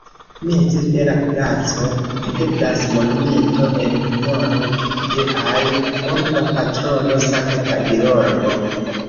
Meze de la placo videblas monumento en honoro de al urba patrono Sankta Georgo.